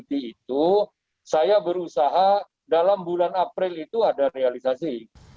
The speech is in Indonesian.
jadi itu saya berusaha dalam bulan april itu ada realisasi